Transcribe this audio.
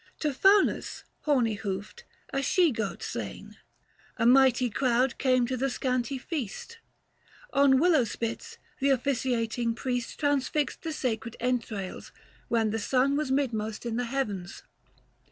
To Faunus, horny hoofed, a she goat slain ; A mighty crowd came to the scanty feast. 370 On willow spits, th' officiating priest Transfixed the sacred entrails, when the sun Was midmost in the heavens.